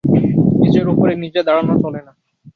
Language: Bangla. নিজের উপরে নিজে দাঁড়ানো চলে না।